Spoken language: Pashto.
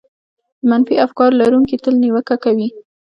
د منفي افکارو لرونکي تل نيوکه کوي.